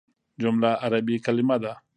جمله عربي کليمه ده.